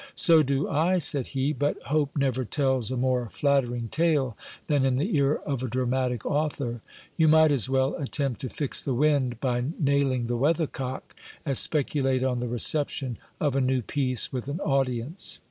So do I, said he, but hope never tells a more flattering tale than in the ear of a dramatic author. You might as well attempt to fix the wind by nailing the weathercock, as speculate on the reception of a new piece with an audience.